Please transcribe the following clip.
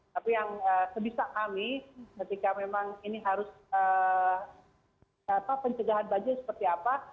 tapi yang sebisa kami ketika memang ini harus pencegahan banjir seperti apa